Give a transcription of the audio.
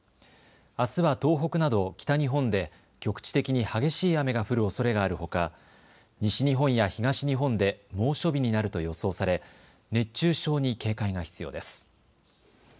あすは東北など北日本で局地的に激しい雨が降るおそれがあるほか、西日本や東日本で猛暑日になると予想され熱中症に警戒が必要です。